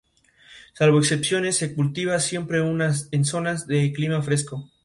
Las variaciones incluyen una llamada y un rápido ritmo che-che-che.